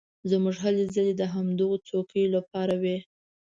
زموږ هلې ځلې د همدغو څوکیو لپاره وې.